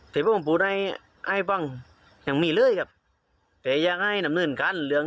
เหตุผลเราทั้งมิกูของเราเป็นบ้าง